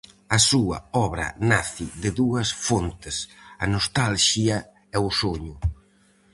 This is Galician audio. A súa obra nace de dúas fontes, a nostalxia e o soño.